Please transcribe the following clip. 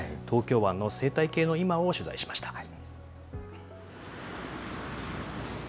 東京湾の生態系の今を取材しました。